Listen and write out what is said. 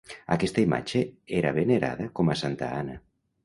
Aquesta imatge era venerada com a santa Anna.